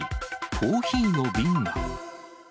コーヒーの瓶が。